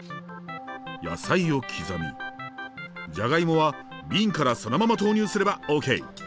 野菜を刻みじゃがいもは瓶からそのまま投入すればＯＫ！